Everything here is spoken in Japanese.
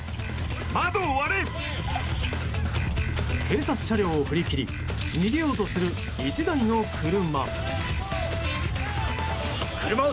警察車両を振り切り逃げようとする１台の車。